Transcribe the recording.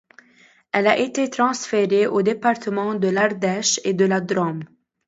Elle a été transférée aux départements de l'Ardèche et de la Drôme.